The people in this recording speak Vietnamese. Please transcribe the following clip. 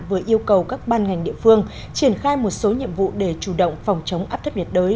vừa yêu cầu các ban ngành địa phương triển khai một số nhiệm vụ để chủ động phòng chống áp thấp nhiệt đới